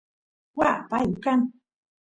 waa payu kan